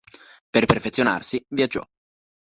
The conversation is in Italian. Per perfezionarsi viaggiò.